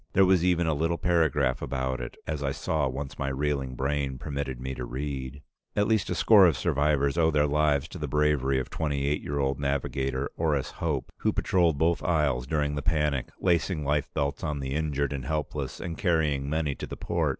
There was even a little paragraph about it, as I saw once my reeling brain permitted me to read: "At least a score of survivors owe their lives to the bravery of twenty eight year old Navigator Orris Hope, who patrolled both aisles during the panic, lacing life belts on the injured and helpless, and carrying many to the port.